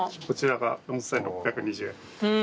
こちらが４，６２０円。